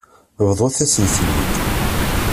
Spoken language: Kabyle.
Bḍut-asen-ten-id.